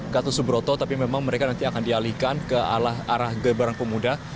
gatot subroto tapi memang mereka nanti akan dialihkan ke arah gebaran pemuda